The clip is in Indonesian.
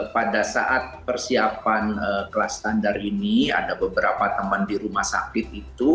pada saat persiapan kelas standar ini ada beberapa teman di rumah sakit itu